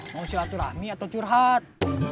mau silaturahmi atau curhat